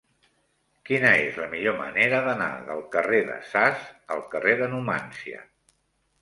Quina és la millor manera d'anar del carrer de Sas al carrer de Numància?